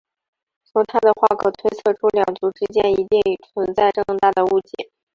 从她的话可推测出两族之间一定存在重大的误解。